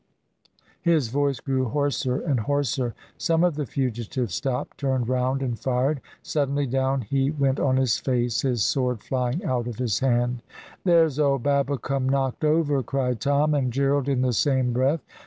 His voice grew hoarser and hoarser. Some of the fugitives stopped, turned round, and fired. Suddenly, down he went on his face, his sword flying out of his hand. "There's old Babbicome knocked over," cried Tom and Gerald in the same breath.